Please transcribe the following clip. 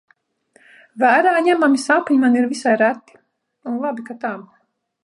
Vērā ņemami sapņi man ir visai reti, un labi, ka tā.